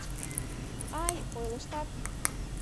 — Ай, ойлыштат!